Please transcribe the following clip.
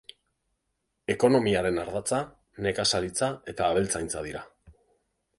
Ekonomiaren ardatza nekazaritza eta abeltzaintza dira.